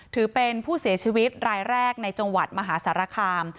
ถือเป็นผู้เสียชีวิตรายแรกในจังหวัดมหาสารคาม